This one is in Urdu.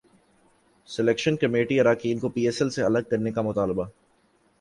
سلیکشن کمیٹی اراکین کو پی ایس ایل سے الگ کرنے کا مطالبہ